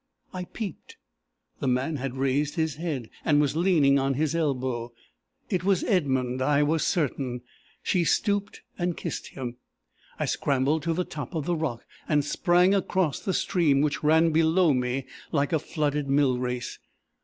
I peeped. The man had raised his head, and was leaning on his elbow. It was Edmund, I was certain! She stooped and kissed him. I scrambled to the top of the rock, and sprang across the stream, which ran below me like a flooded millrace.